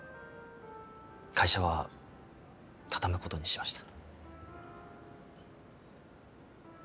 会社はたたむことにしました